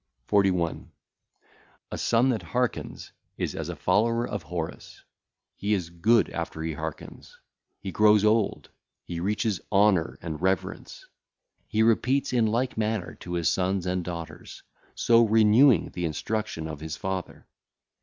41. A son that hearkeneth is as a Follower of Horus. He is good after he hearkeneth; he groweth old, he reacheth honour and reverence. He repeateth in like manner to his sons and daughters, so renewing the instruction of his father.